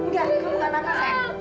lihat kamu bukan anak saya